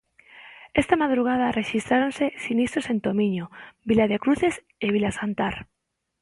Esta madrugada rexistráronse sinistros en Tomiño, Vila de Cruces e Vilasantar.